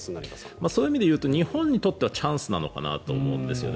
そういう意味でいうと日本にとってはチャンスなのかなと思うんですよね。